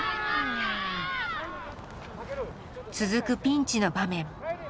続くピンチの場面。